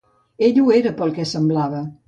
Ell ho era, pel que semblava.